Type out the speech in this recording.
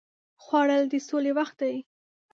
خوړل د سولې وخت دی